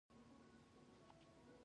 برمکیان د نوبهار ساتونکي وو